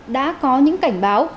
đã có những cảnh báo